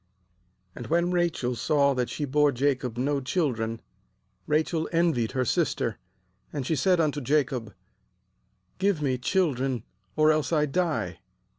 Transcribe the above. And when Rachel saw that she bore Jacob no children. 30 Rachel envied her sister; and she said unto Jacob: 'Give me children, or else I die.'